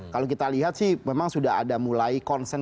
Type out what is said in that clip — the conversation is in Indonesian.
kalau kita lihat sih memang sudah ada mulai concern